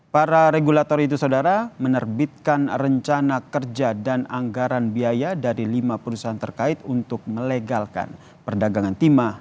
para regulator itu saudara menerbitkan rencana kerja dan anggaran biaya dari lima perusahaan terkait untuk melegalkan perdagangan timah